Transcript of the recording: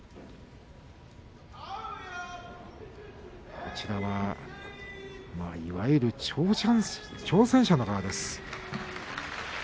こちらはいわゆる挑戦者の側です。